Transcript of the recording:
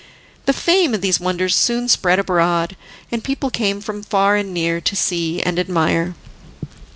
The fame of these wonders soon spread abroad, and people came from far and near to see and admire.